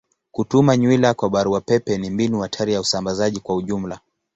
Kutuma nywila kwa barua pepe ni mbinu hatari ya usambazaji kwa ujumla.